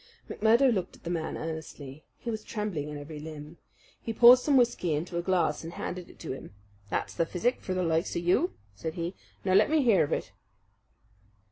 McMurdo looked at the man earnestly. He was trembling in every limb. He poured some whisky into a glass and handed it to him. "That's the physic for the likes of you," said he. "Now let me hear of it."